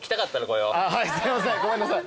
はいすいませんごめんなさい。